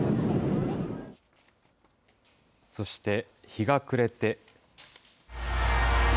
そして日が暮れて。